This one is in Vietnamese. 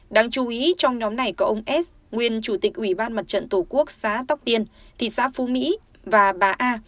đáng chú ý trong nhóm này có ông s nguyên chủ tịch ủy ban mặt trận tổ quốc xã tóc tiên thị xã phú mỹ và bà a